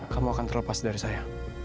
kamu akan terlepas dari saya